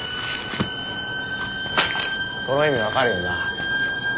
この意味分かるよな？